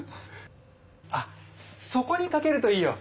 あっそこにかけるといいよ！